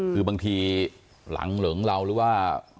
คือบางทีหลังเหลิงเราหรือว่า